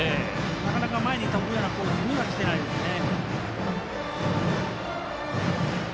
なかなか前に飛ぶようなコースには、きてないですね。